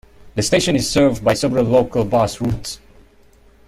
The station is served by several local bus routes.